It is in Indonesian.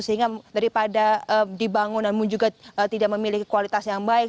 sehingga daripada dibangun namun juga tidak memiliki kualitas yang baik